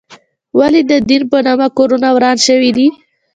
ولې د دین په نامه کورونه وران شوي دي؟